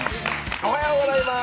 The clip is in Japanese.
おはようございます。